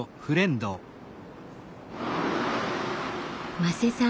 馬瀬さん